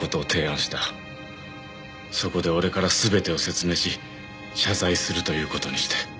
そこで俺から全てを説明し謝罪するという事にして。